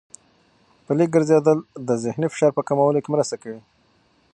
پلي ګرځېدل د ذهني فشار په کمولو کې مرسته کوي.